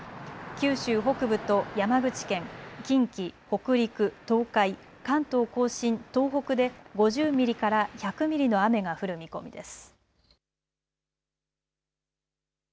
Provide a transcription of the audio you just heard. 九州北部と山口県近畿、北陸、東海、関東甲信東北で５０ミリから１００ミリの雨が降る見込みです。